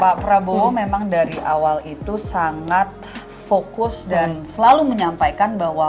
pak prabowo memang dari awal itu sangat fokus dan selalu menyampaikan bahwa